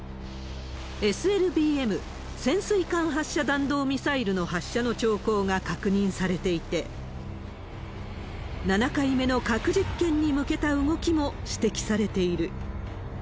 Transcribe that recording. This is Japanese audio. ＳＬＢＭ・潜水艦発射弾道ミサイルの発射の兆候が確認されていて、７回目の核実験に向けた動きも指摘されている。